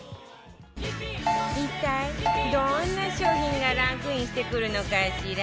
一体どんな商品がランクインしてくるのかしら？